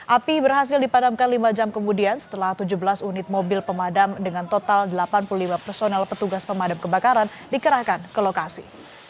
api berhasil dipadamkan lima jam kemudian setelah tujuh belas unit mobil pemadam dengan total delapan puluh lima personel petugas pemadam kebakaran dikerahkan ke lokasi